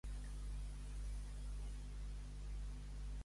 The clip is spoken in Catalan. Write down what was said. Qui té bona pastera, l'hivern no l'espaterra.